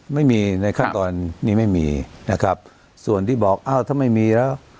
ไม่มีในขั้นตอนนี้ไม่มีนะครับส่วนที่บอกอ้าวถ้าไม่มีแล้ว